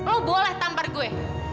lo boleh tampar gue